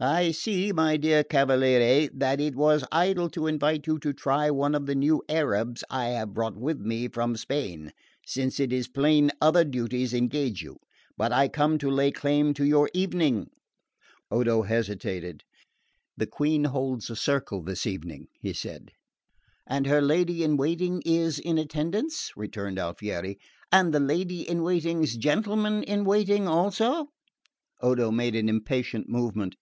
"I see, my dear cavaliere, that it were idle to invite you to try one of the new Arabs I have brought with me from Spain, since it is plain other duties engage you; but I come to lay claim to your evening." Odo hesitated. "The Queen holds a circle this evening," he said. "And her lady in waiting is in attendance?" returned Alfieri. "And the lady in waiting's gentleman in waiting also?" Odo made an impatient movement.